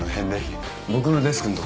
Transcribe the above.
僕のデスクの所。